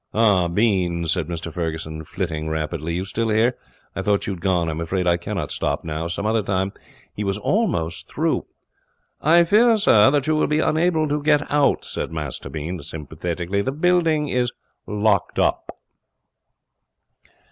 'Ah, Bean,' said Mr Ferguson, flitting rapidly, 'you still here? I thought you had gone. I'm afraid I cannot stop now. Some other time ' He was almost through. 'I fear, sir, that you will be unable to get out,' said Master Bean, sympathetically. 'The building is locked up.'